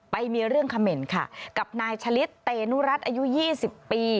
ไปมีเรื่องเขม่นค่ะกับนายชะลิดเตนุรัติอายุ๒๐ปี